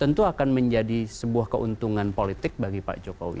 tentu akan menjadi sebuah keuntungan politik bagi pak jokowi